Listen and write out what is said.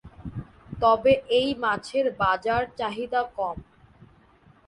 তবে এই মাছের বাজার চাহিদা কম।